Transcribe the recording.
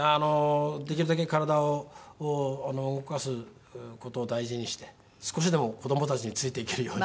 できるだけ体を動かす事を大事にして少しでも子どもたちについていけるように。